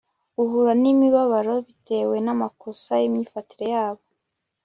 uhura nimibabaro bitewe namakosa yimyifatire yabo